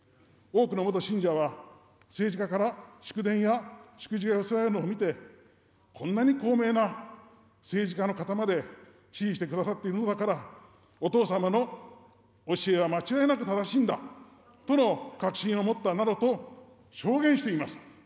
多くの元信者は、政治家から祝電や祝辞が寄せられるのを見て、こんなに高名な政治家の方まで支持してくださっているのだから、お父様の教えは間違いなく正しいんだとの確信を持ったなどと証言しています。